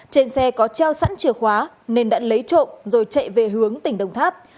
trên xe có treo sẵn chìa khóa nên đã lấy trộm rồi chạy về hướng tỉnh đồng tháp